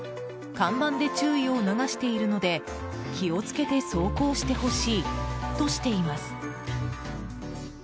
看板で注意を促しているので気をつけて走行してほしいとしています。